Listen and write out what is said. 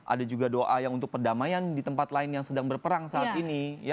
ada juga doa yang untuk perdamaian di tempat lain yang sedang berperang saat ini